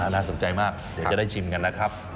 น่าสนใจมากเดี๋ยวจะได้ชิมกันนะครับ